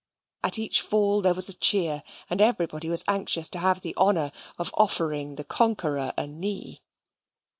At each fall there was a cheer; and everybody was anxious to have the honour of offering the conqueror a knee.